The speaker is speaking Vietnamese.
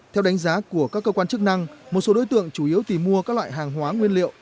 theo đánh giá của các cơ quan chức năng một số đối tượng chủ yếu tìm mua các loại hàng hóa nguyên liệu